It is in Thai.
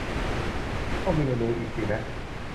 ต้องบินมาดูอีกสินะ